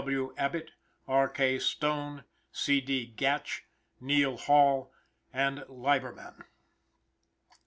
W. Abbott, R. K. Stone, C. D. Gatch, Neal Hall, and Leiberman.